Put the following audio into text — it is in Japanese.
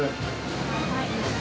はい。